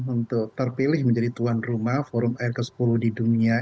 untuk terpilih menjadi tuan rumah forum air ke sepuluh di dunia